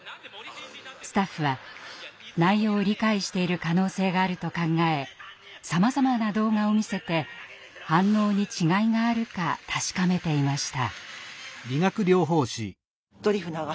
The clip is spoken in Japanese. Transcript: スタッフは内容を理解している可能性があると考えさまざまな動画を見せて反応に違いがあるか確かめていました。